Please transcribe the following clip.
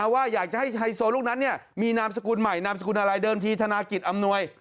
ว่าอยากจะให้ไฮโซลูกนั้นมีนามสกุลใหม่นามสกุลอะไรเดิมทีธนากิจอำนวย